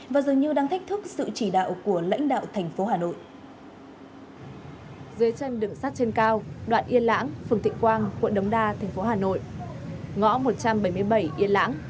và dường như đang thách thức sự chỉ đạo của lãnh đạo tp hà nội